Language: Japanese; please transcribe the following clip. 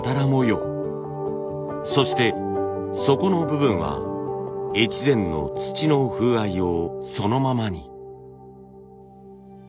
そして底の部分は越前の土の風合いをそのままに。